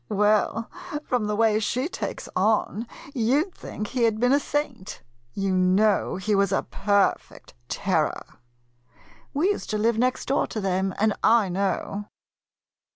Well, from the way she takes on, you 'd think he had been a saint. You know he was a perfect terror. We used to live next door to them, and I know.